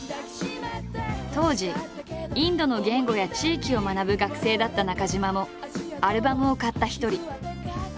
当時インドの言語や地域を学ぶ学生だった中島もアルバムを買った一人。